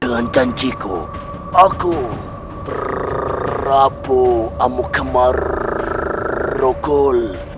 dengan janjiku aku berabu amukumarukul